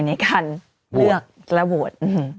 ในการเลือกและโหวต